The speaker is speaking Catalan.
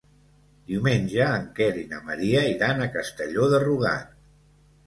Diumenge en Quer i na Maria iran a Castelló de Rugat.